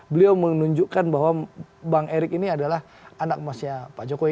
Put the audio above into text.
beliau menunjukkan bahwa bang erik ini adalah anak emasnya pak jokowi